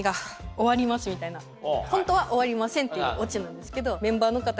ホントは終わりませんっていうオチなんですけど。